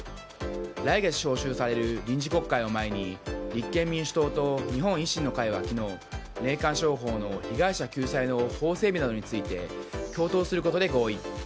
来月、召集される臨時国会を前に立憲民主党と日本維新の会は昨日、霊感商法の被害者救済の法整備などについて共闘することで合意。